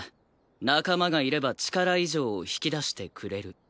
仲間がいれば力以上を引き出してくれると。